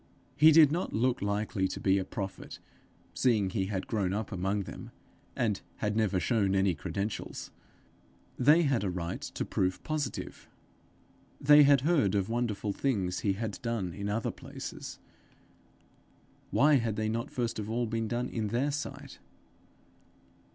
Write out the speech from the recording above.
He did not look likely to be a prophet, seeing he had grown up among them, and had never shown any credentials: they had a right to proof positive! They had heard of wonderful things he had done in other places: why had they not first of all been done in their sight?